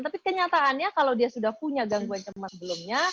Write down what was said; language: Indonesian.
tapi kenyataannya kalau dia sudah punya gangguan cermat sebelumnya